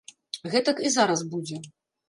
Гэтак і зараз будзе.